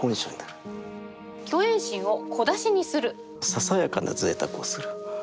ささやかなぜいたくをする。